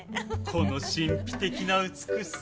この神秘的な美しさ。